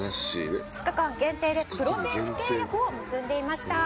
「２日間限定でプロ選手契約を結んでいました」